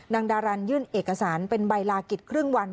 ดารันยื่นเอกสารเป็นใบลากิจครึ่งวัน